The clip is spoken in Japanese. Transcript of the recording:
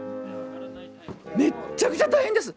めっちゃくちゃ大変です！